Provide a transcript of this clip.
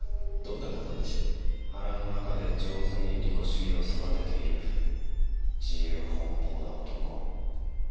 腹の中で上手に利己主義を育てている自由奔放な男。